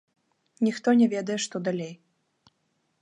Ніхто не ведае, што далей.